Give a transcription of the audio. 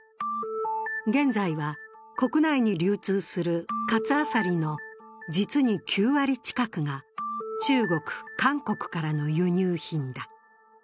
現在は国内に流通する活アサリの実に９割近くが中国・韓国からの輸入品だ。